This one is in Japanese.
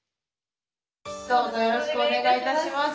どうぞよろしくお願い致します。